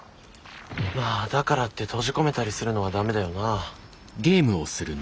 まあだからって閉じ込めたりするのはダメだよな。